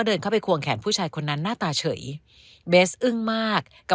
เดินเข้าไปควงแขนผู้ชายคนนั้นหน้าตาเฉยเบสอึ้งมากกับ